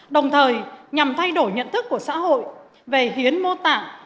đồng thời nhằm thay đổi nhận thức của xã hội về hiến mô tạng